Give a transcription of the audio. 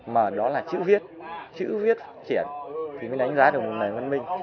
mà đó là chữ viết chữ viết triển thì mới đánh giá được một nền văn minh